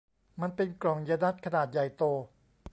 มันเป็นกล่องยานัตถุ์ขนาดใหญ่โต